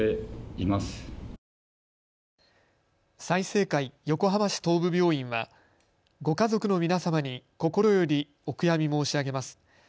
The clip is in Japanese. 済生会横浜市東部病院はご家族の皆様に心よりお悔やみ申し上げます。